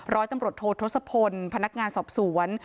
ร้อยตำรวจโทษทศพลพนักงานสอบสวน